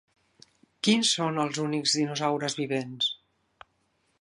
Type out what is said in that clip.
Quins són els únics dinosaures vivents?